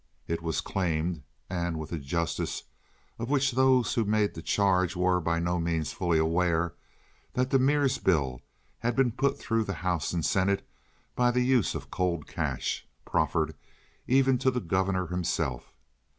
It was claimed—and with a justice of which those who made the charge were by no means fully aware—that the Mears bill had been put through the house and senate by the use of cold cash, proffered even to the governor himself.